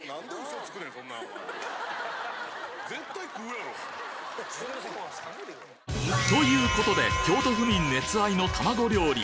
え！ということで京都府民熱愛の卵料理